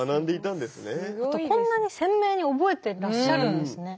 あとこんなに鮮明に覚えてらっしゃるんですね。